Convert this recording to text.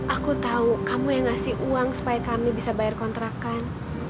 aku tahu kamu yang ngasih uang supaya kami bisa bayar kontrakan